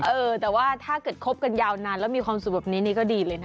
เออแต่ว่าถ้าเกิดคบกันยาวนานแล้วมีความสุขแบบนี้นี่ก็ดีเลยนะ